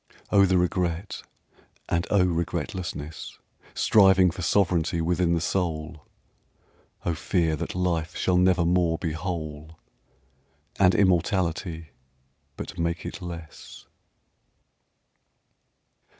Oh, the regret, and oh, regretlessness, Striving for sovranty within the soul! Oh, fear that life shall never more be whole, And immortality but make it less!